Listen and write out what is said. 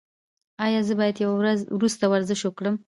ایا زه باید یوه ورځ وروسته ورزش وکړم؟